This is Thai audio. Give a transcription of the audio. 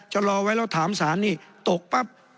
จะรอไว้แล้วถามสารนี่ตกปั๊บ